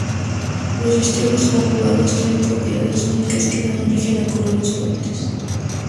Los sistemas conjugados tienen propiedades únicas que dan origen a colores fuertes.